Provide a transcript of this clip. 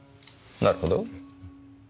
なるほど。